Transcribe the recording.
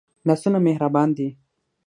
لاسونه مهربان دي